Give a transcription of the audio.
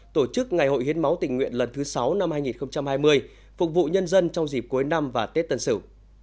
tổ chức ngày hội hiến máu tình nguyện lần thứ sáu năm hai nghìn hai mươi phục vụ nhân dân trong dịp cuối năm và tết tân sử